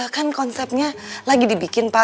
kan konsepnya lagi dibikin pak